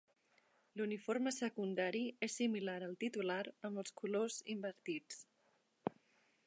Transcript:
L'uniforme secundari és similar al titular amb els colors invertits.